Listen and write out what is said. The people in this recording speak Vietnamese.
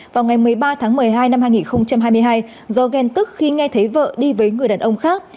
vào ngày một mươi ba tháng một mươi hai năm hai nghìn hai mươi hai do ghen tức khi nghe thấy vợ đi với người đàn ông khác